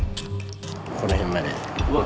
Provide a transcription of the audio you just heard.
この辺まで。